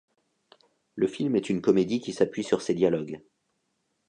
Le film est une comédie qui s'appuie sur ses dialogues.